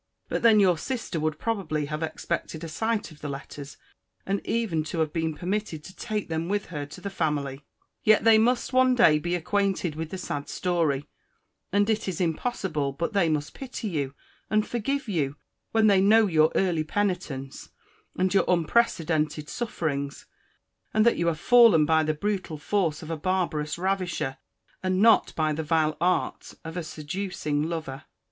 But then your sister would probably have expected a sight of the letters, and even to have been permitted to take them with her to the family. Yet they must one day be acquainted with the sad story:—and it is impossible but they must pity you, and forgive you, when they know your early penitence, and your unprecedented sufferings; and that you have fallen by the brutal force of a barbarous ravisher, and not by the vile arts of a seducing lover.